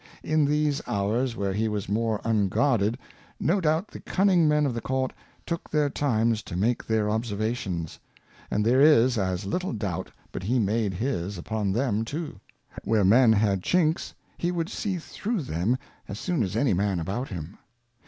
In these Hours where he was more unguarded, no doubt the cunning Men of the Court took their times to make their Observations, and there is as little doubt but he made his upon them too : Where men had Chinks he would see through them as soon as any ' The Dutchess of Portsraoa^A. o2 196 A Character of any Man about him.